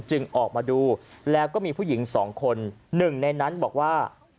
ออกมาดูแล้วก็มีผู้หญิงสองคนหนึ่งในนั้นบอกว่า